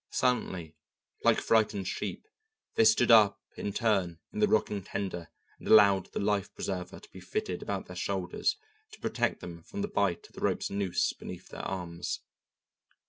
Silently, like frightened sheep, they stood up in turn in the rocking tender and allowed the life preserver to be fitted about their shoulders to protect them from the bite of the rope's noose beneath their arms.